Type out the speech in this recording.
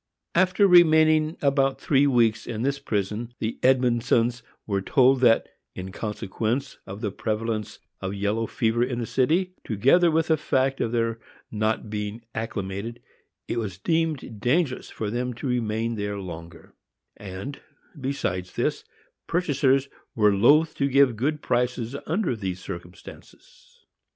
After remaining about three weeks in this prison, the Edmondsons were told that, in consequence of the prevalence of the yellow fever in the city, together with the fact of their not being acclimated, it was deemed dangerous for them to remain there longer;—and, besides this, purchasers were loth to give good prices under these circumstances.